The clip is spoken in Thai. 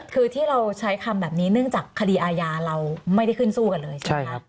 คือที่เราใช้คำแบบนี้เนื่องจากคดีอาญาเราไม่ได้ขึ้นสู้กันเลยใช่ไหมครับ